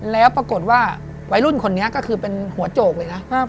แล้วปรากฏว่าวัยรุ่นคนนี้ก็คือเป็นหัวโจกเลยนะ